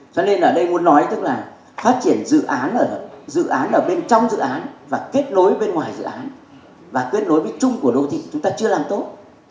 cho nên ở đây muốn nói tức là phát triển dự án ở dự án ở bên trong dự án và kết nối bên ngoài dự án và kết nối với chung của đô thị chúng ta chưa làm tốt